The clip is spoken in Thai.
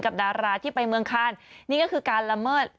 ดาราที่ไปเมืองคานนี่ก็คือการละเมิด